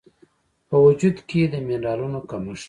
په وجود کې د مېنرالونو کمښت